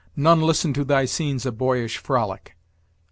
None listen to thy scenes of boyish frolic.